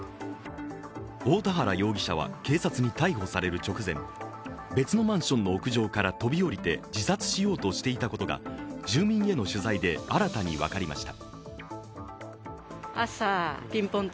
大田原容疑者は警察に逮捕される直前、別のマンションの屋上から飛び降りて自殺しようとしていたことが住民への取材で新たに分かりました。